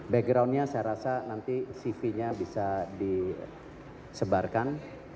backgroundnya saya rasa nanti cv nya bisa disebarkan